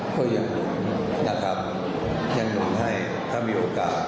ก็ยังหนุนนะครับยังหนุนให้ถ้ามีโอกาส